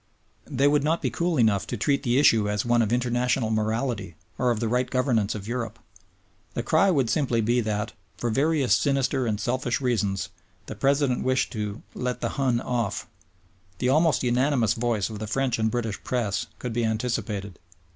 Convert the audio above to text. They would not be cool enough to treat the issue as one of international morality or of the right governance of Europe. The cry would simply be that, for various sinister and selfish reasons, the President wished "to let the Hun off." The almost unanimous voice of the French and British Press could be anticipated.